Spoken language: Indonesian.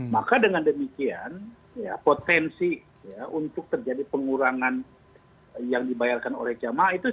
maka dengan demikian ya potensi untuk terjadi pengurangan yang dibayarkan oleh jamaah itu